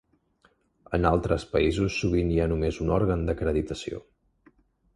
En altres països sovint hi ha només un òrgan d'acreditació.